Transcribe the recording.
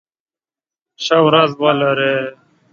ښه ورځ ولری